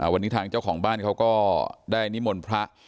วันนี้ทางเจ้าของบ้านเขาก็ได้นิมนต์พระ